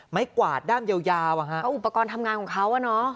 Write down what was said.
ไม้กวาดด้ามยาวยาวอะฮะเพราะอุปกรณ์ทำงานของเขาอะเนอะ